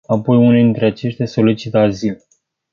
Apoi unii dintre aceștia solicită azil.